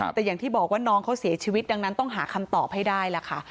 แต่อย่างที่บอกว่าน้องเขาเสียชีวิตดังนั้นต้องหาคำตอบให้ได้ล่ะค่ะ